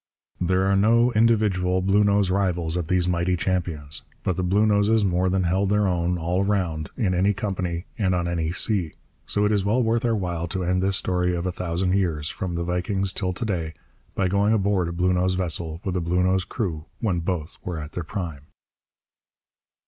There are no individual Bluenose rivals of these mighty champions. But the Bluenoses more than held their own, all round, in any company and on any sea. So it is well worth our while to end this story of a thousand years from the Vikings till to day by going aboard a Bluenose vessel with a Bluenose crew when both were at their prime.